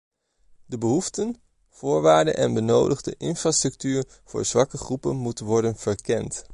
De behoeften, voorwaarden en benodigde infrastructuur voor zwakke groepen moeten worden verkend.